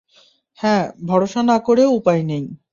হ্যাঁ, ভরসা না করেও উপায় নেই!